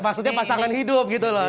maksudnya pasangan hidup gitu loh